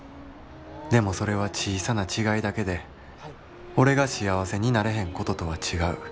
でもそれは小さな違いだけで俺が幸せになれへんこととは違う」。